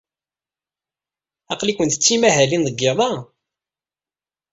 Aql-ikent d timahalin deg yiḍ-a?